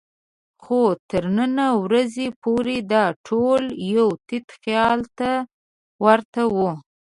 خو تر نن ورځې پورې دا ټول یو تت خیال ته ورته وو.